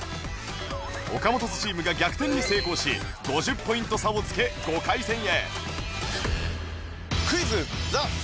ＯＫＡＭＯＴＯ’Ｓ チームが逆転に成功し５０ポイント差をつけ５回戦へ